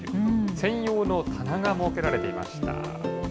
専用の棚が設けられていました。